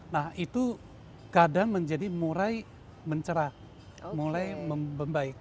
nah itu kadang menjadi mulai mencerah mulai membaik